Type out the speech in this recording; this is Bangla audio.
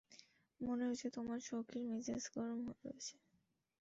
মনে হচ্ছে তোমার সখীর মেজাজ গরম রয়েছে।